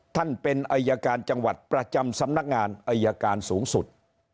ท่านเป็นอายการจังหวัดประจำสำนักงานอายการสูงสุด